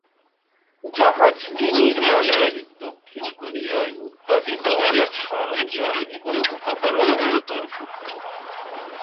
জাহাজটি নির্মানের দক্ষিণ কোরিয়ায় উৎপাদিত অনেক সরঞ্জাম এবং উপকরণ অন্তর্ভুক্ত।